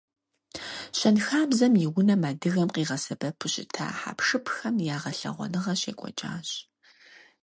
Щэнхабзэм и унэм адыгэм къигъэсэбэпу щыта хьэпшыпхэм я гъэлъэгъуэныгъэ щекӏуэкӏащ.